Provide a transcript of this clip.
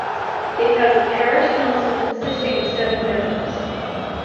It has a parish council consisting of seven members.